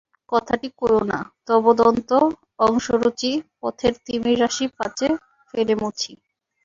কথাটি কোয়ো না, তব দন্ত-অংশুরুচি পথের তিমিররাশি পাছে ফেলে মুছি।